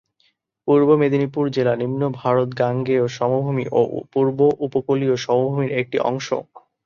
পূর্ব মেদিনীপুর জেলা নিম্ন ভারত-গাঙ্গেয় সমভূমি ও পূর্ব উপকূলীয় সমভূমির একটি অংশ।